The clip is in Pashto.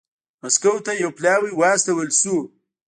مسکو ته یو پلاوی واستول شو